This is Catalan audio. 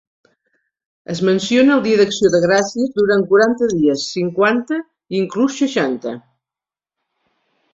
Es menciona el Dia d'Acció de Gràcies durant quaranta dies, cinquanta i inclús seixanta.